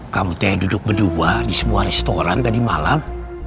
kamu tuh yang duduk berdua di sebuah restoran tadi malam